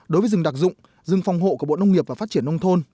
đối với rừng đặc dụng rừng phòng hộ của bộ nông nghiệp và phát triển nông thôn